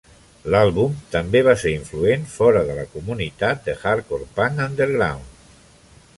L'àlbum també va ser influent fora de la comunitat de "hardcore punk underground".